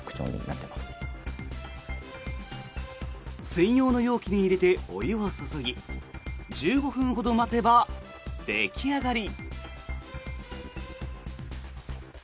専用の容器に入れてお湯を注ぎ１５分ほど待てば出来上がり。